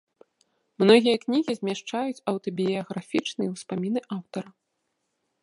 Многія кнігі змяшчаюць аўтабіяграфічныя ўспаміны аўтара.